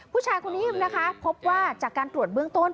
ผู้ชายคนนี้นะคะพบว่าจากการตรวจเบื้องต้น